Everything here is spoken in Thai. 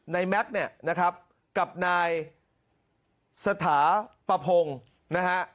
แม็กซ์เนี่ยนะครับกับนายสถาปะพงศ์นะฮะ